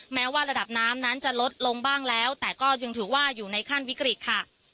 แม้ว่าระดับน้ำนั้นจะลดลงบ้างแล้วแต่ก็ยังถือว่าอยู่ในขั้นวิกฤตค่ะ